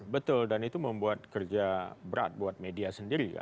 betul dan itu membuat kerja berat buat media sendiri ya